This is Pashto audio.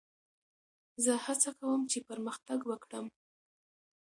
زه هڅه کوم، چي پرمختګ وکړم.